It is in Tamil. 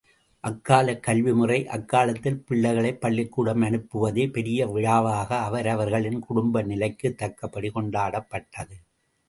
அக்காலக் கல்வி முறை அக்காலத்தில் பிள்ளைகளைப் பள்ளிக்கூடம் அனுப்புவதே பெரிய விழாவாக அவரவர்களின் குடும்ப நிலைக்குத் தக்கபடி கொண்டாடப்பட்டது.